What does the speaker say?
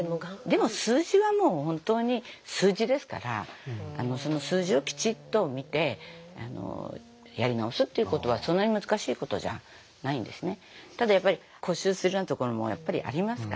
でも数字はもう本当に数字ですからその数字をきちっと見てやり直すっていうことはそんなに難しいことじゃないんですね。